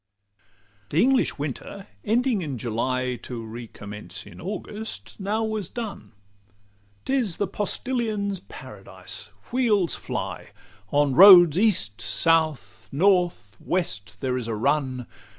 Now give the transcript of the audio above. XLII The English winter ending in July, To recommence in August now was done. 'T is the postilion's paradise: wheels fly; On roads, east, south, north, west, there is a run.